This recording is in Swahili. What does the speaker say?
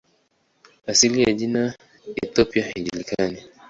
Asili ya jina "Ethiopia" haijulikani.